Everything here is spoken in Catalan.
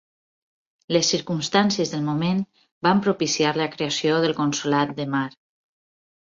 Les circumstàncies del moment van propiciar la creació del Consolat de Mar.